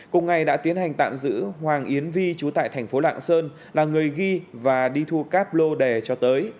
cùng ngày đã tiến hành tạm giữ hoàng yến vi chú tại thành phố lạng sơn là người ghi và đi thu cáp lô đề cho tới